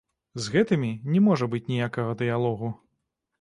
З гэтымі не можа быць ніякага дыялогу.